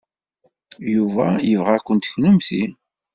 Yuba yebɣa-kent kennemti.